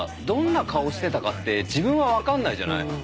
どんな顔してたかって自分は分かんないじゃない？